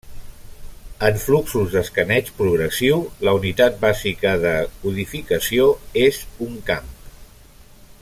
En fluxos d'escaneig progressiu, la unitat bàsica de codificació és un camp.